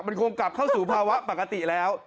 มันคงกลับเข้าสู่ภาวะปกติแล้ว